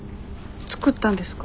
作ったんですか？